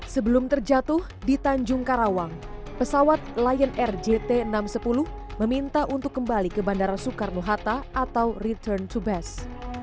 sebelum terjatuh di tanjung karawang pesawat lion air jt enam ratus sepuluh meminta untuk kembali ke bandara soekarno hatta atau return to best